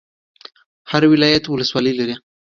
هر ولایت ولسوالۍ لري